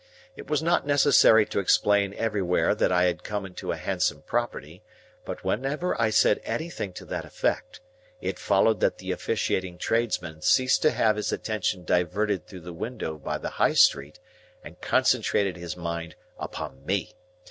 It was not necessary to explain everywhere that I had come into a handsome property; but whenever I said anything to that effect, it followed that the officiating tradesman ceased to have his attention diverted through the window by the High Street, and concentrated his mind upon me.